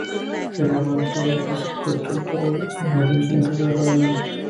El amante de Beatrice fue torturado, y murió sin revelar la verdad.